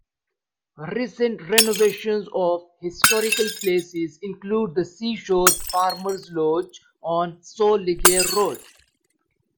Recent renovations of historical places include the Seashore Farmer's Lodge on Sol Legare Road.